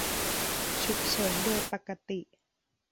ฉุกเฉินโดยปกติ